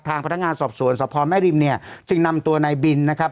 ทางพัฒนางานสอบสวนสอบพรแม่ริมเนี่ยจึงนำตัวในบินนะครับ